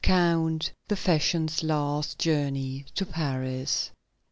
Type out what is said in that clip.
COUNT DE FERSEN'S LAST JOURNEY TO PARIS.